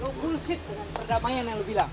lo bullshit dengan perdamaian yang lo bilang